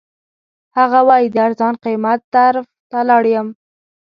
هغه وایي د ارزان قیمت طرف ته لاړ یم.